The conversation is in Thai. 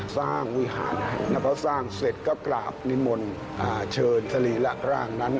สร้างวิหารนัพเมื่อสร้างเสร็จก็กราบนิมนตร์เซิร์ศรีระร่างนั้น